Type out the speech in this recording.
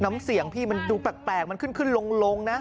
น้ำเสียงพี่มันดูแปลกมันขึ้นขึ้นลงนะ